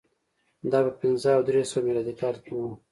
دا په پنځه او درې سوه میلادي کال کې و